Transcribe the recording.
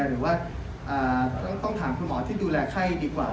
หรือว่าต้องถามคุณหมอที่ดูแลไข้ดีกว่า